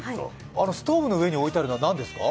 あのストーブの上に置いてあるのは何ですか？